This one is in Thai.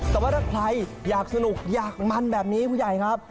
แต่ว่าถ้าใครอยากสนุกอยากมันแบบนี้ผู้ใหญ่ครับ